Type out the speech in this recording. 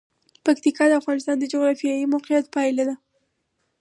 پکتیکا د افغانستان د جغرافیایي موقیعت پایله ده.